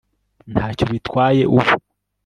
ntacyo bitwaye ubu